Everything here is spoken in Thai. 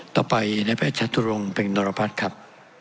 ต่อไปในแพทย์ชัตุรงค์เป็นนรพัฒน์ครับ